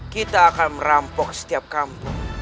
kita akan merampok setiap kampung